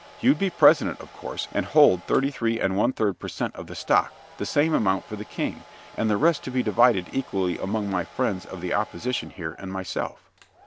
You'd be president, of course, and hold thirty three and one third per cent of the stock, the same amount for the King, and the rest to be divided equally among my friends of the opposition here and myself.